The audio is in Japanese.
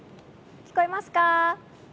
聞こえますか？